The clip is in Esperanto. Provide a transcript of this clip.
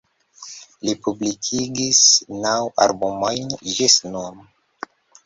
Li publikigis naŭ albumojn ĝis nun.